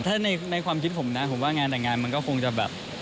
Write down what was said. ถ้าในความคิดผมนะผมว่างานแต่งงานมันก็คงจะแบบ